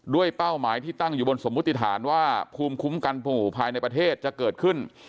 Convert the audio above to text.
เป้าหมายที่ตั้งอยู่บนสมมุติฐานว่าภูมิคุ้มกันปู่ภายในประเทศจะเกิดขึ้น